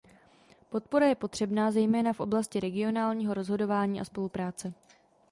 Podpora je potřebná zejména v oblasti regionálního rozhodování a spolupráce.